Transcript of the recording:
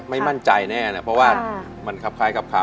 ไม่มั่นใจแน่นะเพราะว่ามันครับคล้ายครับข่าว